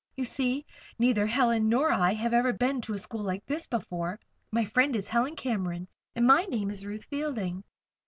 "You see, neither Helen nor I have ever been to a school like this before. My friend is Helen Cameron and my name is Ruth Fielding."